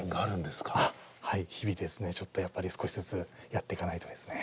あっはい日々ですねちょっとやっぱり少しずつやっていかないとですね。